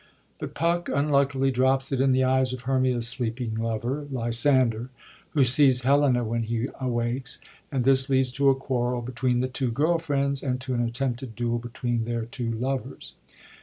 But Puck unluckily drops it in the eyes of Hermia's sleeping lover, Lysander, who sees Helena when he awakes ; and this leads to a quarrel between the two girl friends and to an attempted duel between their two lovers.